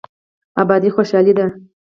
ابادي خوشحالي ده.